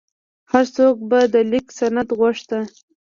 هر څوک به د لیک سند غوښت.